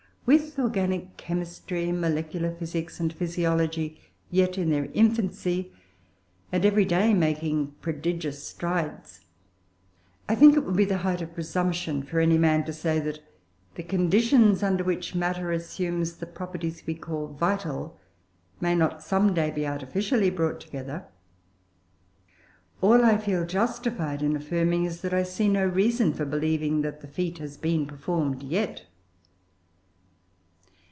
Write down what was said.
With organic chemistry, molecular physics, and physiology yet in their infancy, and every day making prodigious strides, I think it would be the height of presumption for any man to say that the conditions under which matter assumes the properties we call "vital" may not, some day, be artificially brought together. All I feel justified in affirming is, that I see no reason for believing that the feat has been performed yet.